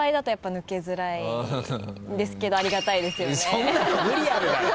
そんなの無理あるだろ！